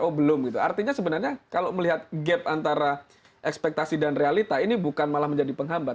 oh belum gitu artinya sebenarnya kalau melihat gap antara ekspektasi dan realita ini bukan malah menjadi penghambat